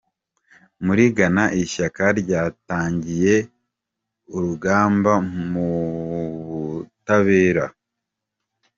Muri gana Ishyaka ryatangiye urugamba mu butabera